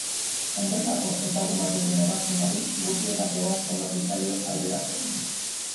Enpresako ezagun bateko hegazkin bati gurpiletako bat hondatu zaio aireratzean.